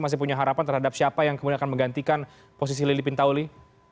masih punya harapan terhadap siapa yang kemudian akan menggantikan posisi lili pintauli